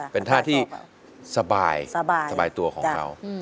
เป็นท่าที่สบายตัวของเขา